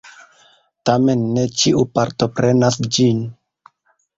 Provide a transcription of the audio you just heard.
Tamen ne ĉiu partoprenas ĝin.